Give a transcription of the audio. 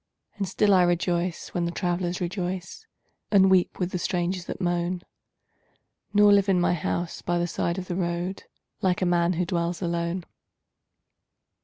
And still I rejoice when the travelers rejoice And weep with the strangers that moan, Nor live in my house by the side of the road Like a man who dwells alone.